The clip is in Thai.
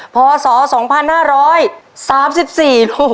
พศ๒๕๓๔ลูก